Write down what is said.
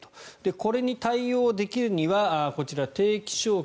これに対応できるにはこちら、定期昇給